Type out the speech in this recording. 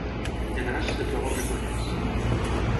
Llanars es troba al Ripollès